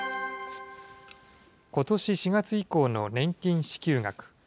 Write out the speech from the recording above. ことし４月以降の年金支給額。